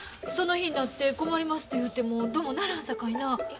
その日になって困りますて言うてもどもならんさかいな。